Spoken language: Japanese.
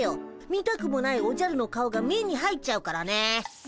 見たくもないおじゃるの顔が目に入っちゃうからね。